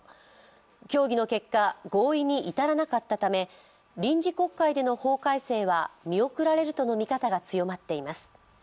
協議の結果、合意に至らなかったため、臨時国会での法改正は見送られるとの見方が強まっています。